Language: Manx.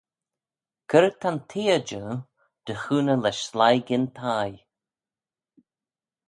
C'red ta'n theay jannoo dy chooney lesh sleih gyn thie?